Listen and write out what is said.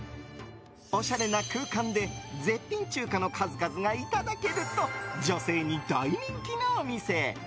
おしゃれな空間で絶品中華の数々がいただけると女性に大人気のお店。